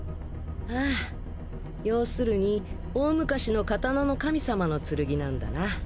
あぁ要するに大昔の刀の神様の剣なんだな。